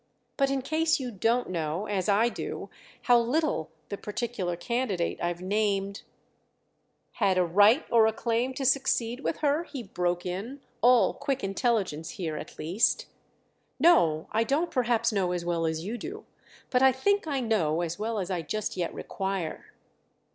But in case you don't know as I do how little the particular candidate I've named——" "Had a right or a claim to succeed with her?" he broke in—all quick intelligence here at least. "No, I don't perhaps know as well as you do—but I think I know as well as I just yet require."